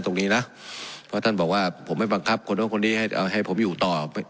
เพราะต้านบอกว่าผมไม่บังคับคนคนนี้อาให้ให้ผมอยู่ต่อ